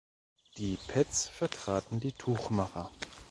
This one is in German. Die Petz vertraten die Tuchmacher.